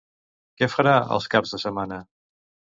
Què farà els caps de setmana?